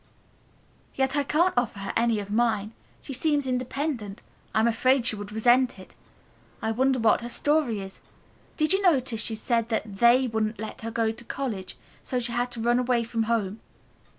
Yet I can't offer her any of mine. She seems independent. I am afraid she would resent it. I wonder what her story is. Did you notice she said that 'they' wouldn't let her go to college, so she had run away from home?